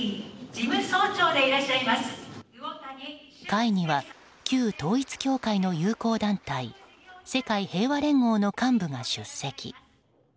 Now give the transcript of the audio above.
会には、旧統一教会の友好団体世界平和連合の幹部が出席。